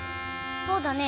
そうだね。